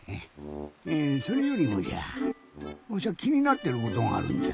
えぇそれよりもじゃぁわしゃきになってることがあるんじゃ。